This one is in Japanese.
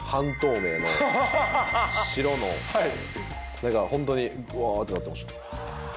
何かホントにモワってなってました。